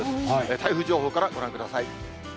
台風情報からご覧ください。